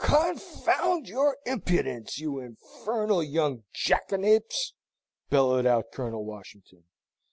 "Confound your impudence, you infernal young jackanapes!" bellowed out Colonel Washington.